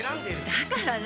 だから何？